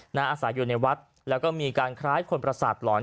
อาศัยอยู่ในวัดแล้วก็มีการคล้ายคนประสาทหลอน